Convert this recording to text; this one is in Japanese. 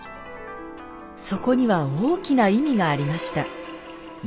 そこには大きな意味がありました。